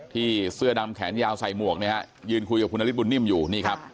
เสื้อดำแขนยาวใส่หมวกเนี่ยฮะยืนคุยกับคุณนฤทธบุญนิ่มอยู่นี่ครับ